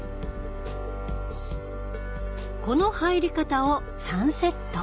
この入り方を３セット。